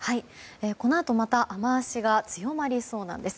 このあとまた雨脚が強まりそうなんです。